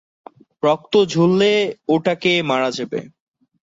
রক্ত ঝরলে, ওটাকে মারা যাবে।